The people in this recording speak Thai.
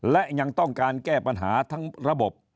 และยังต้องการแก้ปัญหาทั้งระบบ